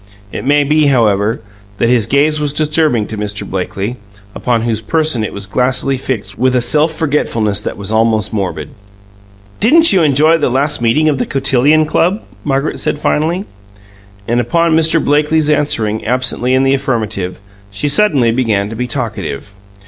It may be, however, that his gaze was disturbing to Mr. Blakely, upon whose person it was glassily fixed with a self forgetfulness that was almost morbid. "Didn't you enjoy the last meeting of the Cotillion Club?" Margaret said finally. And upon Mr. Blakely's answering absently in the affirmative, she suddenly began to be talkative.